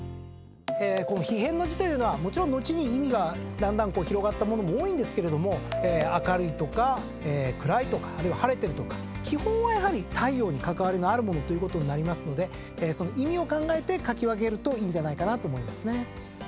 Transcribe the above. このひへんの字というのはもちろん後に意味がだんだん広がったものも多いんですけども明るいとか暗いとかあるいは晴れてるとか基本は太陽に関わりのあるものということになりますのでその意味を考えて書き分けるといいんじゃないかなと思いますね。